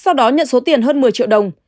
sau đó nhận số tiền hơn một mươi triệu đồng